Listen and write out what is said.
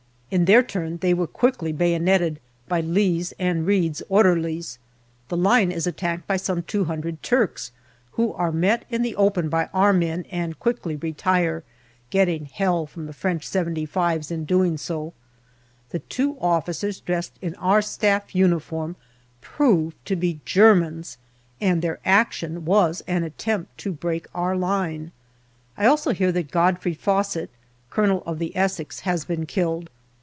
In their turn they were quickly bayoneted by Lee's and Reid's orderlies. The line is attacked by some two hundred Turks, who are met in the open by our men and quickly retire, getting hell from the French " 75*5 " in doing so. The two officers dressed in our Staff uniform proved to be Germans, and their action was an attempt to break our line. I hear also that Godfrey Faussett, Colonel of the Essex, has been killed.